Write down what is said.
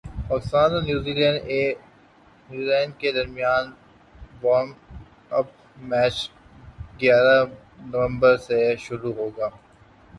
پاکستان اور New Zealand A درمیان warm up match گیارہ نومبر سے شروع ہوگا